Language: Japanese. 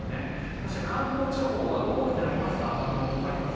そして、関東地方は午後になりますと雨雲がかかります。